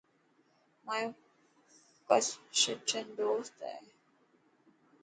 مايو ڪرسچن دوست هي.